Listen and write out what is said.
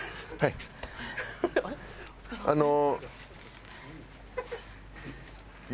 あの。